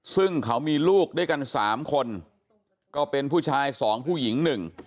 ซึ่งเขามีลูกด้วยกันสามคนก็เป็นผู้ชายสองผู้หญิงหนึ่ง